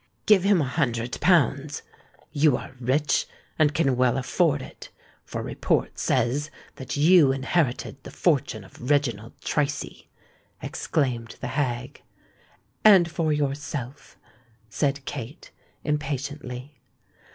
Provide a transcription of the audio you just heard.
"Give him a hundred pounds:—you are rich and can well afford it—for report says that you inherited the fortune of Reginald Tracy," exclaimed the hag. "And for yourself?" said Kate, impatiently.